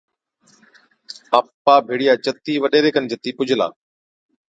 آپا ڀيڙِيا چتِي وڏيري کن جتِي پُجلا،